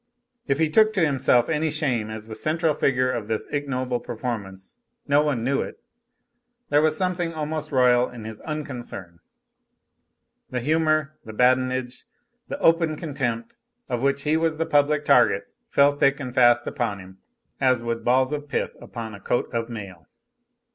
If he took to himself any shame as the central figure of this ignoble performance, no one knew it. There was something almost royal in his unconcern. The humor, the badinage, the open contempt, of which he was the public target, fell thick and fast upon him, but as harmlessly as would balls of pith upon a coat of mail.